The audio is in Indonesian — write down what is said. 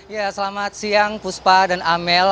ya selamat siang puspa dan amel